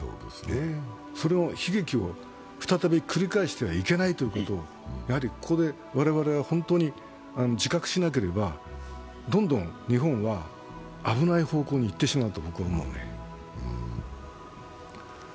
それを、悲劇を再び繰り返してはいけないということをここで我々は本当に自覚しなければ、どんどん日本は危ない方向に行ってしまうと僕は思います。